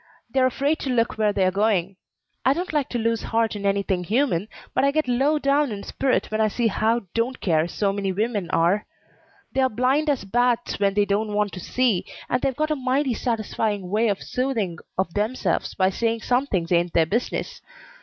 They're afraid to look where they're going. I don't like to lose heart in anything human, but I get low down in spirit when I see how don't care so many women are. They're blind as bats when they don't want to see, and they've got a mighty satisfying way of soothing of themselves by saying some things ain't their business.